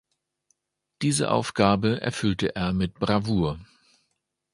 Diese Aufgabe erfüllte er mit Bravour.